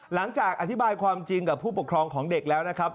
หลังจากอธิบายความจริงกับผู้ปกครองของเด็กแล้วนะครับ